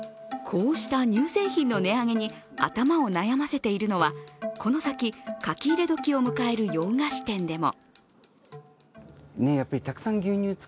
こうした乳製品の値上げに頭を悩ませているのはこの先、書き入れ時を迎える洋菓子店でも。